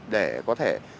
để có thể